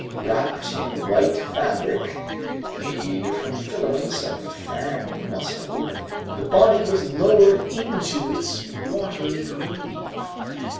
Wrapped in white fabric made from filaments of the fan mussel, the body was lowered into its watery grave.